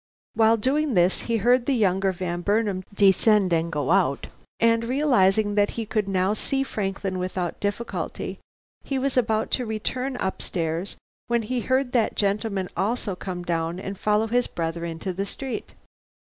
While doing this he heard the younger Van Burnam descend and go out, and realizing that he could now see Franklin without difficulty, he was about to return up stairs when he heard that gentleman also come down and follow his brother into the street.